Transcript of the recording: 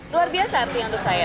luar biasa artinya untuk saya